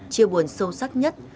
chia buồn sâu sắc nhất